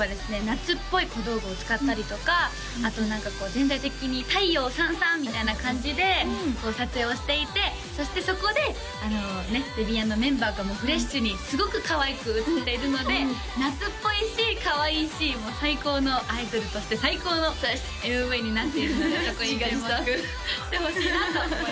夏っぽい小道具を使ったりとかあと何かこう全体的に太陽さんさんみたいな感じで撮影をしていてそしてそこであのねデビアンのメンバーともフレッシュにすごくかわいく映っているので夏っぽいしかわいいしもう最高のアイドルとして最高のＭＶになっているのでそこに注目してほしいなと思います